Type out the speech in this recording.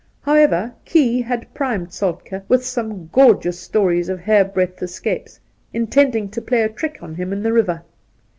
However, Key had primed Soltkd with some gorgeous stories of hairbreadth escapes, intending to play a trick on him in the river.